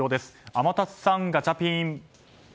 天達さん、ガチャピン。